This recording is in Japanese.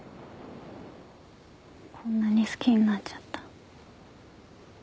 こんなに好きになっちゃった。